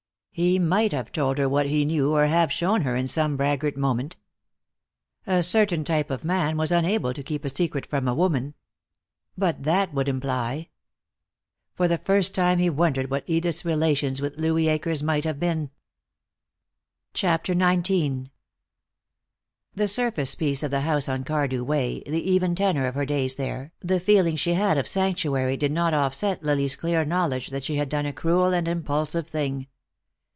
He might have told her what she knew, or have shown her, in some braggart moment. A certain type of man was unable to keep a secret from a woman. But that would imply For the first time he wondered what Edith's relations with Louis Akers might have been. CHAPTER XIX The surface peace of the house on Cardew Way, the even tenor of her days there, the feeling she had of sanctuary did not offset Lily's clear knowledge that she had done a cruel and an impulsive thing.